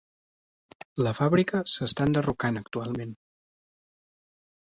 La fàbrica s'està enderrocant actualment.